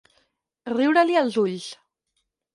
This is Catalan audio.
Riure-li els ulls.